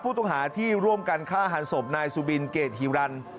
ผู้ต้องหาที่ร่วมกันฆ่าหันศพนายสุบินเกรดฮิวรรณ